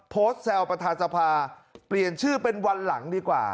แซวประธานสภาเปลี่ยนชื่อเป็นวันหลังดีกว่า